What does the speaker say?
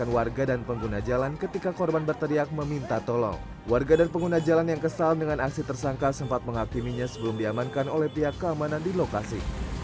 warga dan pengguna jalan yang kesal dengan aksi tersangka sempat menghakiminya sebelum diamankan oleh pihak keamanan di lokasi